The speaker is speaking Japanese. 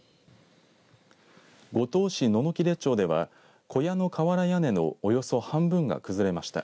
五島市野々切町では小屋の瓦屋根のおよそ半分が崩れました。